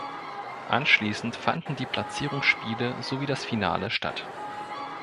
Anschließend fanden die Platzierungsspiele sowie das Finale statt.